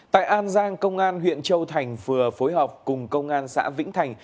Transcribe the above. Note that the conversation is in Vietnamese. tại an giang công an huyện châu thành vừa phối hợp cùng công an xã vĩnh thành